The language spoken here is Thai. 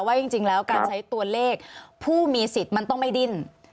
ว่าจริงแล้วการใช้ตัวเลขผู้มีสิทธิ์มันต้องไม่ดิ้น